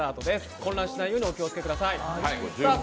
混乱しないようにお気をつけください。